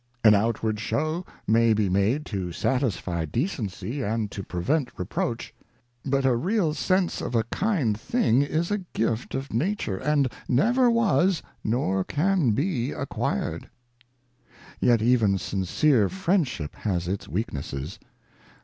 An outward Shew may be made to satisfy Decency, and to prevent Reproach ; but a real Sense of a kind thing is a Gift of Nature, and never was, nor can be acquired.' Yet even sincere Friendship has its weaknesses.